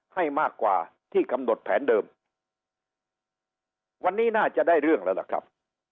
ให้มากกว่าที่กำหนดแผนเดิมวันนี้น่าจะได้เรื่องแล้วล่ะครับ